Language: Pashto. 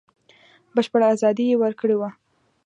بشپړه ازادي یې ورکړې وه.